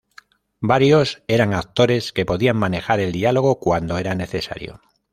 Varios eran actores que podían manejar el diálogo cuando era necesario.